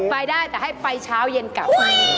ไปได้แต่ให้ไปเช้าเย็นกลับ